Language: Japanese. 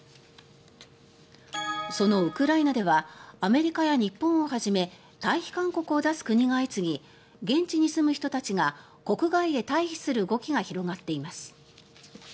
そのウクライナではアメリカや日本をはじめ退避勧告を出す国が相次ぎ現地に住む人たちが国外へ退避する動きが広がっています。